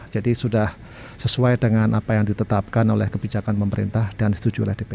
jadi sudah sesuai dengan apa yang ditetapkan oleh kebijakan pemerintah dan disetujui oleh dpr